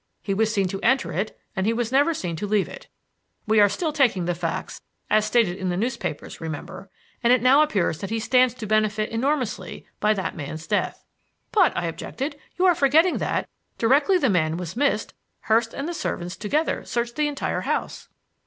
He was seen to enter it and he was never seen to leave it we are still taking the facts as stated in the newspapers, remember and it now appears that he stands to benefit enormously by that man's death." "But," I objected, "you are forgetting that, directly the man was missed Hurst and the servants together searched the entire house."